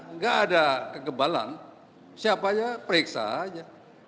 enggak ada kegebalan siapa saja periksa saja